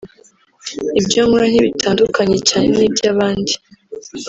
Ibyo nkora ntibitandukanye cyane n’iby’abandi